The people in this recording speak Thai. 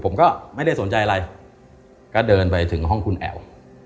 ผมก็ไม่ได้สนใจอะไรก็เดินไปถึงห้องคุณแอ๋ว